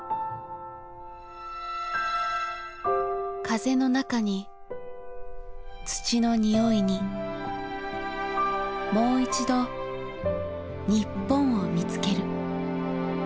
風の中に土の匂いにもういちど日本を見つける。